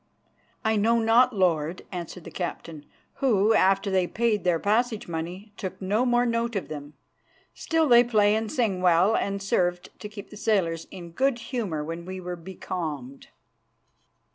"I know not, lord," answered the captain, "who, after they paid their passage money, took no more note of them. Still they play and sing well, and served to keep the sailors in good humour when we were becalmed."